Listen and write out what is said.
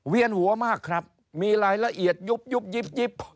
หัวมากครับมีรายละเอียดยุบยิบ